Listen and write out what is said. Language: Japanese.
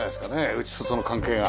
内外の関係が。